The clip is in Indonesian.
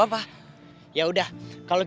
aku kayak sialan